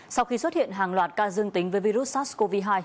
sau khi xuất hiện hàng loạt ca dương tính với virus sars cov hai